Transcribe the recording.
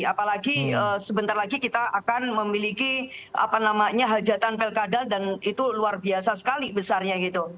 apalagi sebentar lagi kita akan memiliki apa namanya hajatan pilkada dan itu luar biasa sekali besarnya gitu